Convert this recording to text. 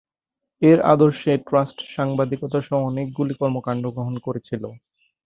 এর আদর্শে ট্রাস্ট সাংবাদিকতা সহ অনেকগুলি কর্মকাণ্ড গ্রহণ করেছিল।